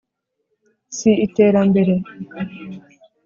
si iterambere!